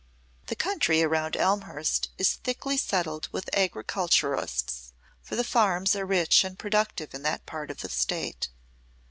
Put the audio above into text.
The country around Elmhurst is thickly settled with agriculturists, for the farms are rich and productive in that part of the state.